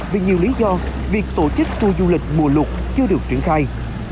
vì nhiều lý do việc tổ chức tour du lịch mùa lục chưa được triển khai